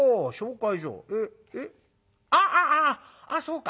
ああああそうか。